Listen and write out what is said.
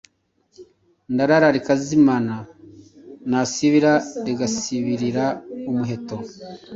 ndarara rikazimana, nasibira rigasibirira umuheto.